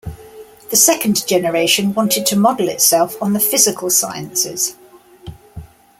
The second generation wanted to model itself on the physical sciences.